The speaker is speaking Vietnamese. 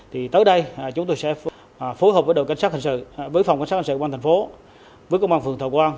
thì tới đây chúng tôi sẽ phối hợp với đội cảnh sát hành sự với phòng cảnh sát hành sự công an thành phố với công an phường thọ quang